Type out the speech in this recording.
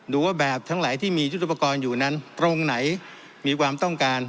ดูว่าแบบทั้งหลายที่มียุทธุปกรณ์อยู่นั้นตรงไหนมีความต้องการ